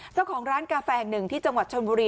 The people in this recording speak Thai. เจ้าของร้านกาแฟแห่งหนึ่งที่จังหวัดชนบุรี